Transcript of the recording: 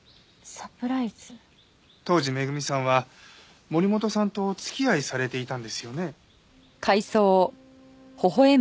当時恵さんは森本さんとお付き合いされていたんですよね？